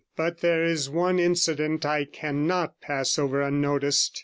But there is one incident I cannot pass over unnoticed.